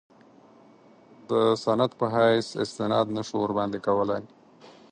د سند په حیث استناد نه شو ورباندې کولای.